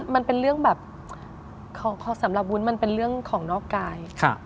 มันเป็นเรื่องแบบสำหรับวุ้นมันเป็นเรื่องของนอกกาย